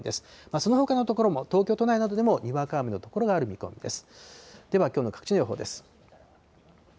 そのほかの所も、東京都内などでもにわか雨の所がある見込みです。